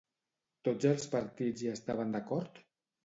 Tots els partits hi estaven d'acord?